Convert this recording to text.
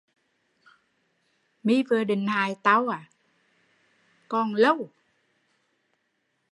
Mi vừa định hại tau, hại cái con cặt tau